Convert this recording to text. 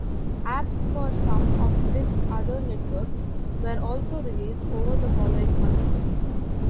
Apps for some of its other networks were also released over the following months.